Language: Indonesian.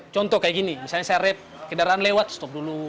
contoh kayak gini misalnya saya rap kendaraan lewat stop dulu